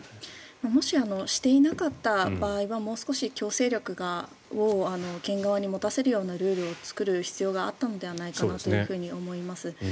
もししていなかった場合にはもう少し強制力を県側に持たせるようなルールを作る必要があったのかなと思います。